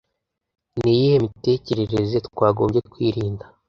ni iyihe mitekerereze twagombye kwirinda